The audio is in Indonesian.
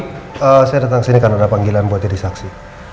saya datang sini karena ada panggilan buat jadi saksi